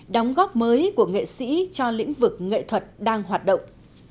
đóng góp mới của nghệ sĩ cho lĩnh vực nghệ thuật đang hoạt động